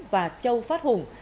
và châu phát hùng